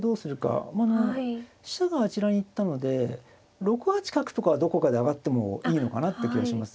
あの飛車があちらに行ったので６八角とかはどこかで上がってもいいのかなって気はします。